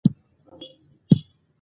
افغانستان په ریګ دښتو غني هېواد دی.